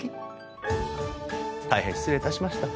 大変失礼致しました。